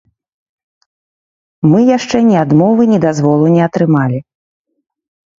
Мы яшчэ ні адмовы, ні дазволу не атрымалі.